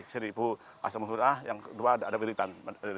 satu asma'ul husna yang kedua ada wilitan